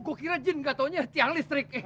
kok kira jin gak taunya tiang listrik